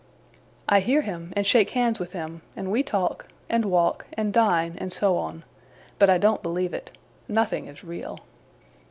I hear him, and shake hands with him; and we talk, and walk, and dine, and so on; but I don't believe it. Nothing is real.